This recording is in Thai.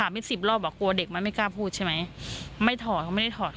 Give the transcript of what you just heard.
ไม่ถอดเขาไม่ได้ถอด